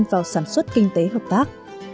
vào sản xuất kinh tế hợp tác